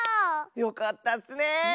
よかったッスね！